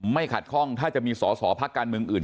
ไม่ขัดคล่องถ้ามีสสพักการเมืองอื่น